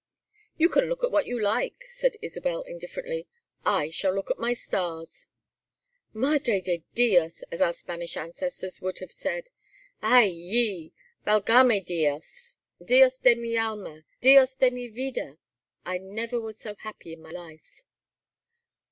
"You can look at what you like," said Isabel, indifferently. "I shall look at my stars. Madre de Dios! as our Spanish ancestors would have said. Ay yi! Valgame Dios! Dios de mi alma! Dios de mi vida! I never was so happy in my life."